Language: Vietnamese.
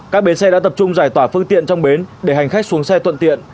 các bến xe đã tập trung giải tỏa phương tiện trong bến để hành khách xuống xe thuận tiện